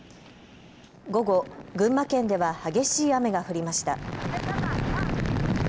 午後、群馬県では激しい雨が降りました。